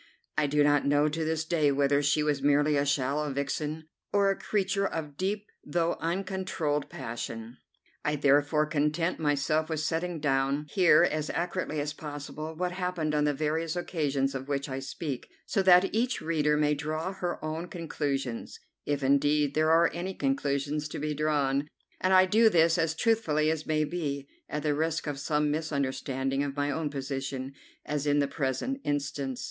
I do not know to this day whether she was merely a shallow vixen or a creature of deep though uncontrolled passion. I therefore content myself with setting down here, as accurately as possible, what happened on the various occasions of which I speak, so that each reader may draw her own conclusions, if indeed there are any conclusions to be drawn, and I do this as truthfully as may be, at the risk of some misunderstanding of my own position, as in the present instance.